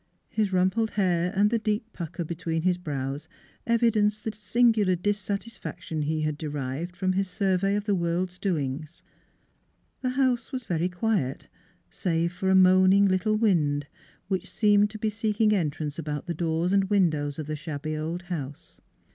His rumpled hair and the deep pucker between his brows evi denced the singular dissatisfaction he had de rived from his survey of the world's doings. The house was very quiet, save for a moaning little wind, which seemed to be seeking entrance about the doors and windows of the shabby old house.